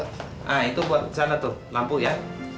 nah itu buat sana tuh lampu ya